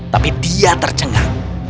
tapi dia tercengang